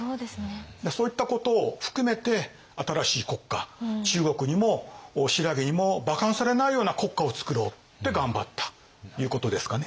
そういったことを含めて新しい国家中国にも新羅にもばかにされないような国家をつくろうって頑張ったということですかね。